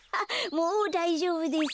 もうだいじょうぶです。